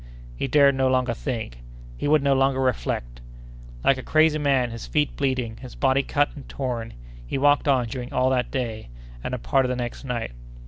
He dared no longer think; he would no longer reflect! Like a crazy man, his feet bleeding, his body cut and torn, he walked on during all that day and a part of the next night.